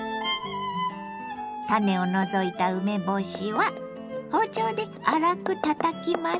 種を除いた梅干しは包丁で粗くたたきます。